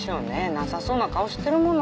なさそうな顔してるもの。